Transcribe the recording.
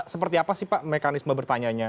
seperti apa sih pak mekanisme bertanya